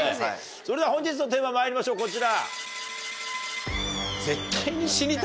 それでは本日のテーマまいりましょうこちら。